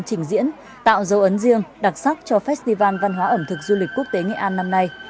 trình diễn tạo dấu ấn riêng đặc sắc cho festival văn hóa ẩm thực du lịch quốc tế nghệ an năm nay